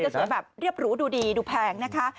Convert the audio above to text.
สวยแบบเรียบหรูดูดีดูแพงนะคะ